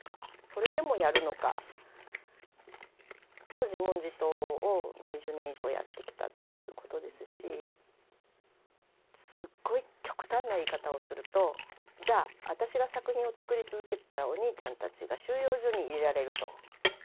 それでもやるのかの自問自答を２０年以上やってきたっていうことですしすごい極端な言い方をするとじゃあ私が作品を作り続けてたらお兄ちゃんたちが収容所に入れられると。